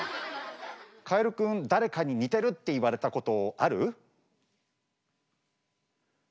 カエルくん誰かに似てるって言われたことある？